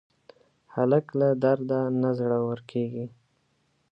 هلک له درده نه زړور کېږي.